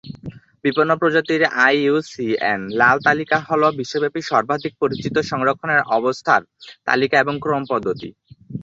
বিপন্ন প্রজাতির আইইউসিএন লাল তালিকা হল বিশ্বব্যাপী সর্বাধিক পরিচিত সংরক্ষণের অবস্থার তালিকা এবং ক্রম পদ্ধতি।